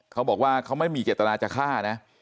เขาบอกว่าเขาไม่มีเจตนาจะฆ่านะ